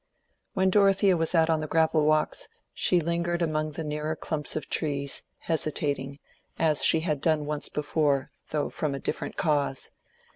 When Dorothea was out on the gravel walks, she lingered among the nearer clumps of trees, hesitating, as she had done once before, though from a different cause.